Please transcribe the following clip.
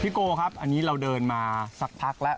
โกครับอันนี้เราเดินมาสักพักแล้ว